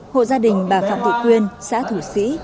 hộ gia đình bà phạm thị quyên xã thủ sĩ